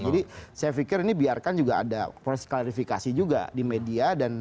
jadi saya pikir ini biarkan juga ada proses klarifikasi juga di media